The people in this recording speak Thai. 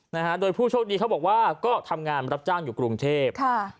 นะฮะโดยผู้โชคดีเขาบอกว่าก็ทำงานรับจ้างอยู่กรุงเทพค่ะ